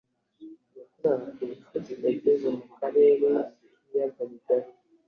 yakorewe Abatutsi yageze mu karere k ibiyaga bigari